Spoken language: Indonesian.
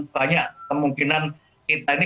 banyak kemungkinan kita ini